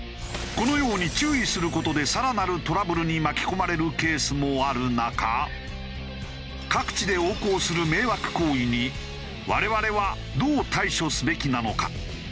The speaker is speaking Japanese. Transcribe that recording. このように注意する事で更なるトラブルに巻き込まれるケースもある中各地で横行する迷惑行為に我々はどう対処すべきなのか。